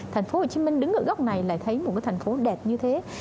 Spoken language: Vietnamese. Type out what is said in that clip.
thành phố hồ chí minh đứng ở góc này lại thấy một thành phố đẹp như thế